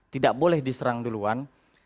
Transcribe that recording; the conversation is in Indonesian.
tidak boleh diserang duluan